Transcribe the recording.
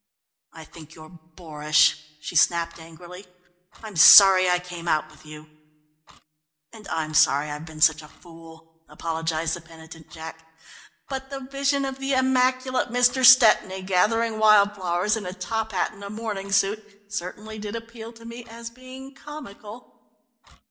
"I think you're boorish," she snapped angrily. "I'm sorry I came out with you." "And I'm sorry I've been such a fool," apologised the penitent Jack, "but the vision of the immaculate Mr. Stepney gathering wild flowers in a top hat and a morning suit certainly did appeal to me as being comical!"